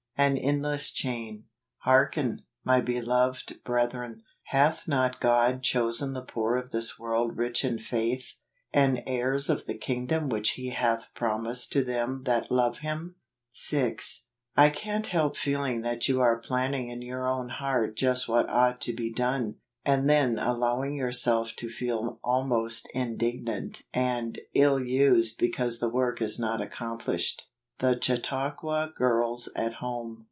An Endless Chain. " Hearken , my beloved brethren , Hath not God chosen the poor of this icorld rich in faith , and heirs of the kingdom which he hath promised to them that love him ?" AUGUST. 87 6. I can't help feeling that you are plan¬ ning in your own heart just what ought to be done, and then allowing yourself to feel almost indignant and ill used because the work is not accomplished. The Chautauqua Girls at Horae.